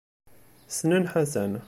Ssnen Ḥasan.